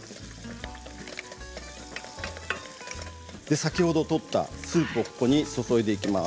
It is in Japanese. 先ほど取ったスープをここに注いでいきます。